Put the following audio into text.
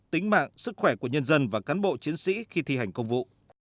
tính mạng sức khỏe của nhân dân và cán bộ chiến sĩ khi thi hành công vụ